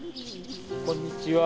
こんにちは。